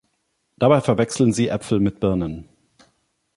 Dabei verwechseln Sie Äpfel mit Birnen.